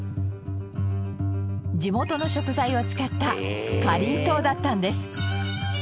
地元の食材を使ったかりんとうだったんです。